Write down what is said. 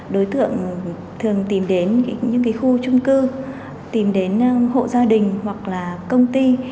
đối tượng thường tìm đến những khu trung cư tìm đến hộ gia đình hoặc là công ty